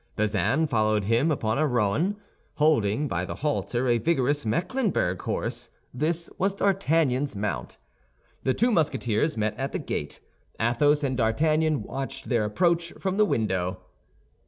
Bazin followed him upon a roan, holding by the halter a vigorous Mecklenburg horse; this was D'Artagnan's mount. The two Musketeers met at the gate. Athos and D'Artagnan watched their approach from the window.